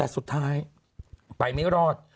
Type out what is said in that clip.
แต่สุดท้ายไปไม่รอด